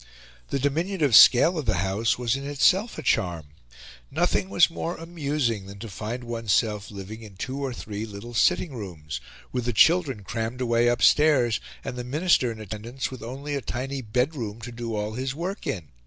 The diminutive scale of the house was in itself a charm. Nothing was more amusing than to find oneself living in two or three little sitting rooms, with the children crammed away upstairs, and the minister in attendance with only a tiny bedroom to do all his work in.